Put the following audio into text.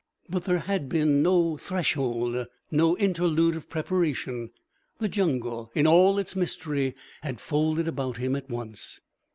But there had been no threshold, no interlude of preparation. The jungle in all its mystery had folded about him at once.